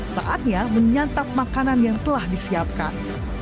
saatnya menyantap makanan yang telah disiapkan